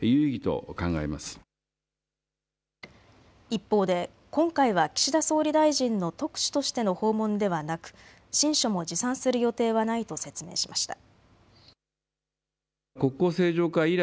一方で今回は岸田総理大臣の特使としての訪問ではなく親書も持参する予定はないと説明しました。